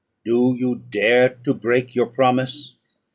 Do you dare to break your promise?